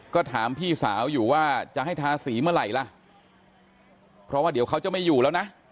ก็ถามพี่สาวอยู่ว่าจะให้ทาสีเมื่อไหร่ล่ะเพราะว่าเดี๋ยวเขาจะไม่อยู่แล้วนะ